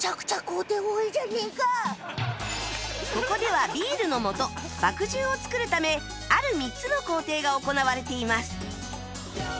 ここではビールのもと麦汁を作るためある３つの工程が行われています